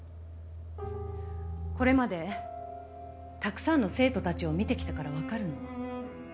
これまでたくさんの生徒たちを見てきたからわかるの。